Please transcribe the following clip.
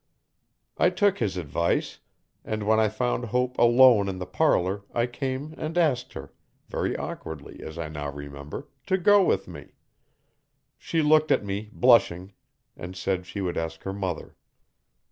I took his advice and when I found Hope alone in the parlour I came and asked her, very awkwardly as I now remember, to go with me. She looked at me, blushing, and said she would ask her mother.